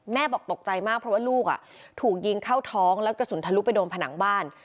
บอกตกใจมากเพราะว่าลูกถูกยิงเข้าท้องแล้วกระสุนทะลุไปโดนผนังบ้าน